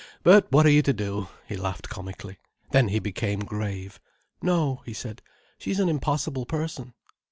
But what are you to do?" He laughed comically. Then he became grave. "No," he said. "She's an impossible person."